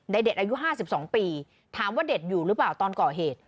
เด็ดอายุ๕๒ปีถามว่าเด็ดอยู่หรือเปล่าตอนก่อเหตุ